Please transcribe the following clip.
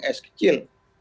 dari gunung es kecil